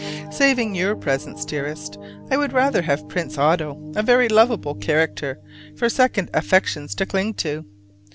Saving your presence, dearest, I would rather have Prince Otto, a very lovable character for second affections to cling to.